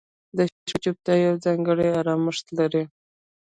• د شپې چوپتیا یو ځانګړی آرامښت لري.